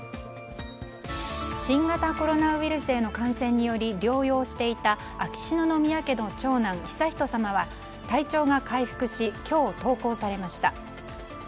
新型コロナウイルスへの感染により療養していた秋篠宮家の長男・悠仁さまは体調が回復し今日、登校されました。